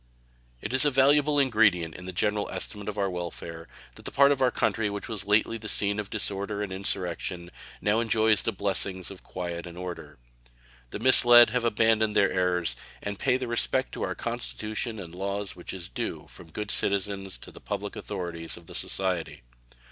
It is a valuable ingredient in the general estimate of our welfare that the part of our country which was lately the scene of disorder and insurrection now enjoys the blessings of quiet and order. The misled have abandoned their errors, and pay the respect to our Constitution and laws which is due from good citizens to the public authorities of the society.